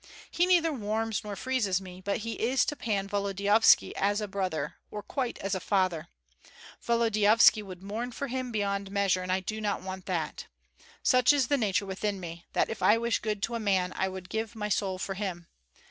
He neither warms nor freezes me, but he is to Pan Volodyovski as a brother, or quite as a father. Volodyovski would mourn for him beyond measure, and I do not want that. Such is the nature within me, that if I wish good to a man I would give my soul for him.